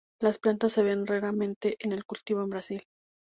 Las plantas se ven raramente en el cultivo en Brasil.